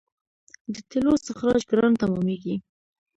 د تیلو استخراج ګران تمامېږي.